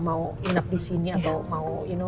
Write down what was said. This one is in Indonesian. mau hidup disini atau mau